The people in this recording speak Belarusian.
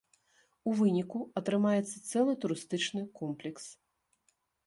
У выніку атрымаецца цэлы турыстычны комплекс.